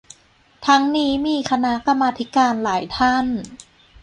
ทั้งมีนีคณะกรรมาธิการหลายท่าน